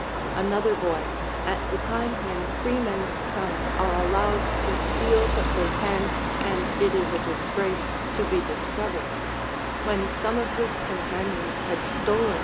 Another boy, at the time when freemen's sons are allowed to steal what they can and it is a disgrace to be discovered, when some of his companions had stolen